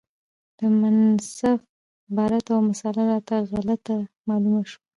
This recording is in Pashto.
د مصنف عبارت او مسأله راته غلطه معلومه شوه،